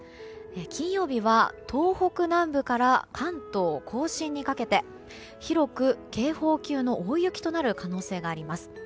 金曜日は、東北南部から関東・甲信にかけて広く警報級の大雪となる可能性があります。